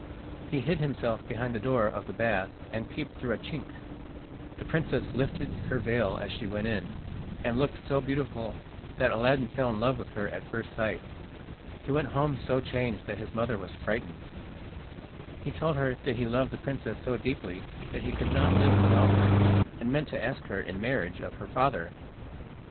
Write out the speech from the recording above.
He hid himself behind the door of the bath, and peeped through a chink. The princess lifted her veil as she went in, and looked so beautiful that Aladdin fell in love with her at first sight. He went home so changed that his mother was frightened. He told her he loved the princess so deeply that he could not live without her, and meant to ask her in marriage of her father.